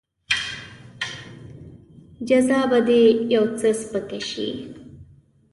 جزا به دې يو څه سپکه شي.